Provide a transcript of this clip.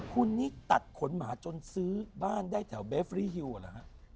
คุณนี่ตัดขนหมาจนซื้อบ้านได้แถวเบฟรีฮิวเหรอฮะ